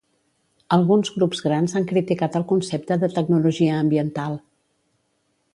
Alguns grups grans han criticat el concepte de tecnologia ambiental.